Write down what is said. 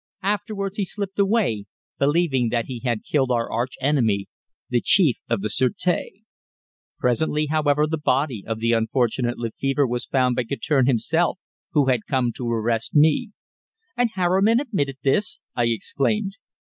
Afterwards he slipped away, believing that he had killed our arch enemy, the chief of the sûreté. Presently, however, the body of the unfortunate Lefevre was found by Guertin himself, who had come to arrest me." "And Harriman admitted this!" I exclaimed.